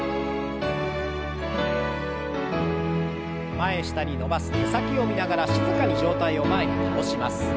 前下に伸ばす手先を見ながら静かに上体を前に倒します。